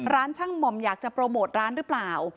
ช่างหม่อมอยากจะโปรโมทร้านหรือเปล่า